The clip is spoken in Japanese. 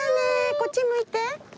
こっち向いて。